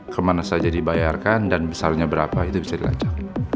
kemana saja dibayarkan dan besarnya berapa itu bisa dilacak